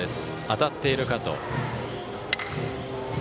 当たっている加藤。